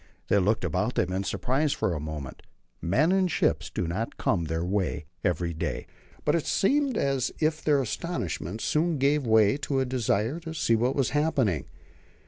They looked about them in surprise for a moment: men and ships do not come their way every day. But it seemed as if their astonishment soon gave way to a desire to see what was happening.